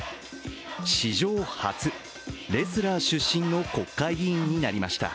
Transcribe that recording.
史上初レスラー出身の国会議員となりました。